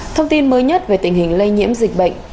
thông tin mới nhất về tình hình lây nhiễm dịch bệnh